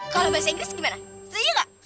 kalau bahasa inggris gimana saya gak